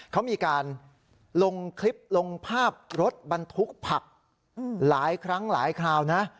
เขามีการลงคลิปลงภาพรถบรรทุกผักหลายครั้งหลายคราวนะ